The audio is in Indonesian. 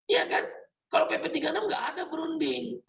ya kan kalau pp tiga puluh enam nggak ada berunding